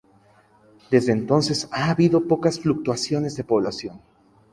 Desde entonces ha habido pocas fluctuaciones de población.